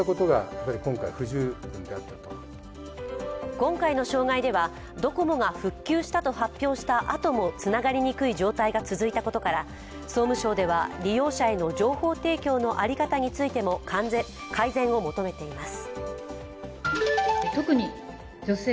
今回の障害では、ドコモが復旧したと発表したあともつながりにくい状態が続いたことから、総務省では利用者への情報提供の在り方についても改善を求めています。